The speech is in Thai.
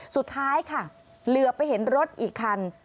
สุดท้ายค่ะเหลือไปเห็นรถอีกคัน